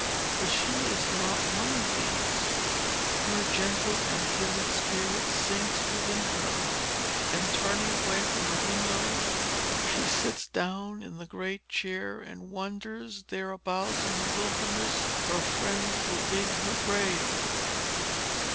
But she is not one of these. Her gentle and timid spirit sinks within her; and turning away from the window she sits down in the great chair, and wonders thereabouts in the wilderness her friends will dig her grave.